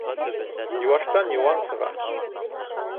Йыуаштан йыуан сыға.